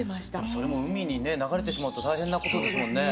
それも海にね流れてしまうと大変なことですもんね。